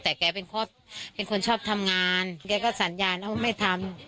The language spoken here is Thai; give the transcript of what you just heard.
แต่แกเป็นคนชอบทำงานแกก็สัญญาณว่าไม่ทำ